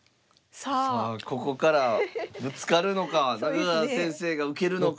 さあここからぶつかるのか中川先生が受けるのか。